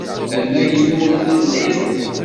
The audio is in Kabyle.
D amaynu i telliḍ?